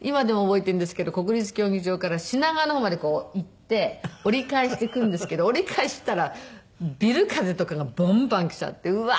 今でも覚えているんですけど国立競技場から品川の方まで行って折り返してくるんですけど折り返したらビル風とかがバンバン来ちゃってうわーってなっちゃって。